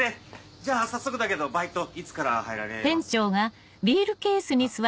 じゃあ早速だけどバイトいつから入られます？